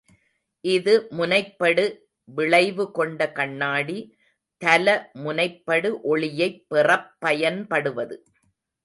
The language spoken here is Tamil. இது முனைப்படு விளைவு கொண்ட கண்ணாடி, தல முனைப்படு ஒளியைப் பெறப் பயன்படுவது.